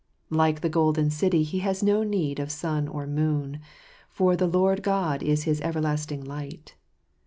Like the golden city, he has no need of sun or moon, for the Lord God is his everlasting light.